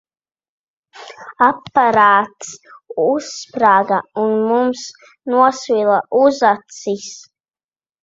Aparāts uzsprāga, un mums nosvila uzacis.